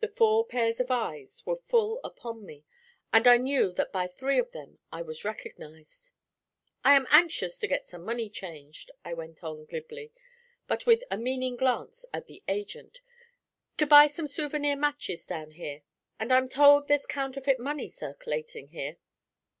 The four pairs of eyes were full upon me, and I knew that by three of them I was recognised. 'I am anxious to get some money changed,' I went on glibly, but with a meaning glance at the 'agent,' 'to buy some souvenir matches down here, and I'm told there's counterfeit money circulating here.'